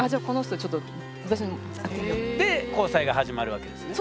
で交際が始まるわけですね。